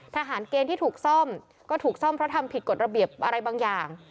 ทหารเกณฑ์ที่ถูกซ่อมก็ถูกซ่อมเพราะทำผิดกฎระเบียบอะไรบางอย่าง